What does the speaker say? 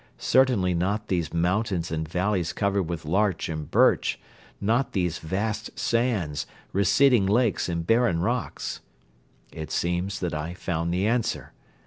Certainly not these mountains and valleys covered with larch and birch, not these vast sands, receding lakes and barren rocks. It seems that I found the answer.